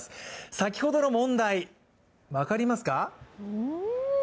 先ほどの問題、分かりますか？